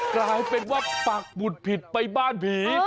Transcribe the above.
กลายเป็นว่าปักหมุดผิดไปบ้านผี